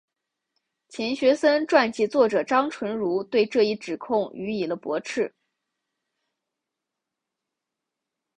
钱学森传记作者张纯如对这一指控予以了驳斥。